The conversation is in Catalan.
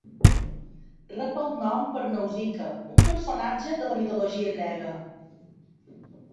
Rep el nom per Nausica, un personatge de la mitologia grega.